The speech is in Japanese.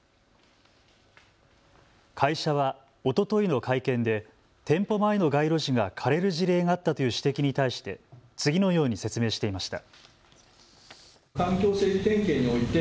会社はおとといの会見で店舗前の街路樹が枯れる事例があったという指摘に対して次のように説明していました。